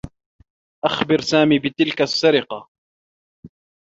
أخبر سامي بتلك السّرقة.